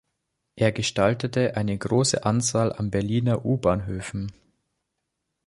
Er gestaltete eine große Anzahl an Berliner U-Bahnhöfen.